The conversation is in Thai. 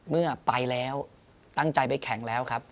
เมื่อไปแล้วตั้งใจไปแข่งแล้วครับ